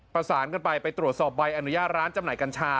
ประสานกันไปไปตรวจสอบใบอนุญาตร้านจำหน่ายกัญชา